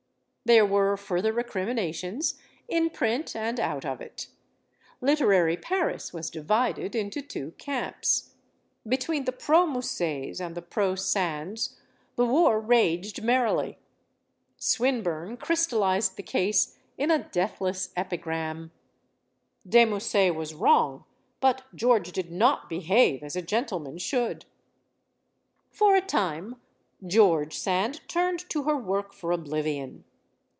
There were further recriminations, in print and out of it. Literary Paris was divided into two camps. Be tween the pro Mussets and the pro Sands, the war raged merrily. Swinburne crystalized the case in a deathless epigram: "De Musset was wrong; but George did not behave as a gentleman should." For a time, George Sand turned to her work for oblivion.